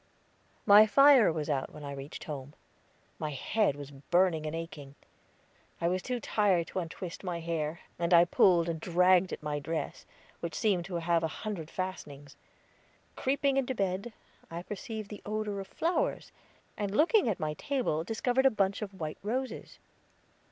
'" My fire was out when I reached home. My head was burning and aching. I was too tired to untwist my hair, and I pulled and dragged at my dress, which seemed to have a hundred fastenings. Creeping into bed, I perceived the odor of flowers, and looking at my table discovered a bunch of white roses.